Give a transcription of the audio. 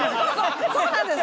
そうなんです！